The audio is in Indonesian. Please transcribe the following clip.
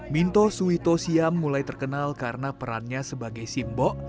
minto suwito siam mulai terkenal karena perannya sebagai simbok